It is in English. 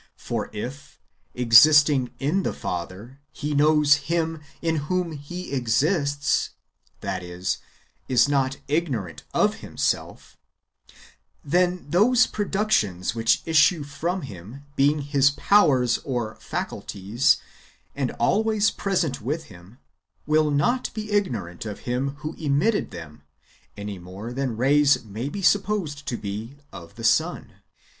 For if, existing in the Father, he know^s Him in whom he exists — that is, is not ignorant of himself — then those productions wdiich issue from him being his powders (faculties), and always present with him, wdll not be ignorant of him who emitted them, any more than rays [may be supposed to be] of the sun.